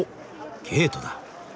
ゲートだ。